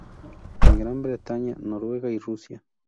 En Gran Bretaña, Noruega y Rusia.